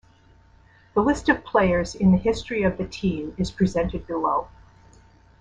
The list of players in the history of the team is presented below.